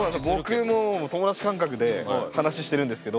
僕も友だち感覚で話してるんですけど。